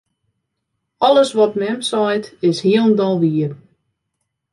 Alles wat mem seit, is hielendal wier.